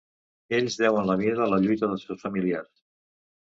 Ells deuen la vida a la lluita dels seus familiars.